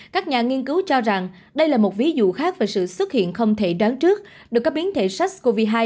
các nhà nghiên cứu cho rằng đây là một ví dụ khác về sự xuất hiện không thể đoán trước được các biến thể sars cov hai